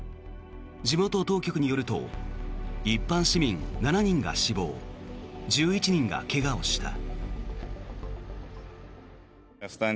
地元当局によると一般市民７人が死亡１１人が怪我をした。